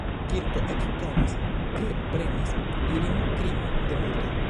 Kirko ekkonis, ke premas ilin krimo de murdo.